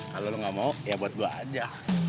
kalau lo gak mau ya buat gue aja